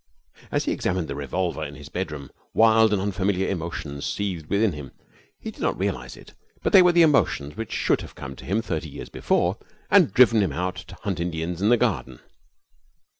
As he examined the revolver in his bedroom, wild and unfamiliar emotions seethed within him. He did not realize it, but they were the emotions which should have come to him thirty years before and driven him out to hunt Indians in the garden.